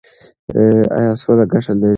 ایا سوله ګټه لري؟